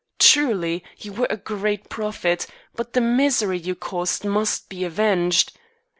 Truly you were a great prophet, but the misery you caused must be avenged.